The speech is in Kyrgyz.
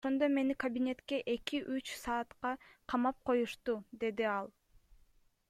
Ошондо мени кабинетке эки же үч саатка камап коюшту, — деди ал.